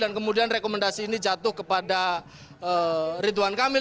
dan kemudian rekomendasi ini jatuh kepada ridwan kamil